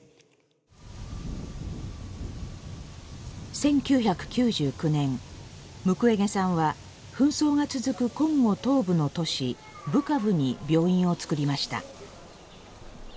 １９９９年ムクウェゲさんは紛争が続くコンゴ東部の都市ブカブに病院をつくりました。